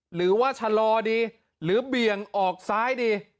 หรือว่าชะลอดีหรือเบี่ยงออกซ้ายดี